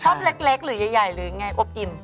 เล็กหรือใหญ่หรือยังไงอบอิ่ม